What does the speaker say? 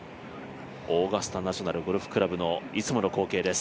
オーガスタ・ナショナル・ゴルフクラブのいつもの光景です。